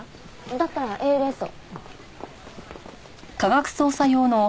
だったらＡＬＳを。